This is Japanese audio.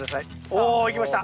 おいきました。